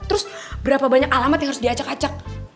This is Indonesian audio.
terus berapa banyak alamat yang harus dia acak acak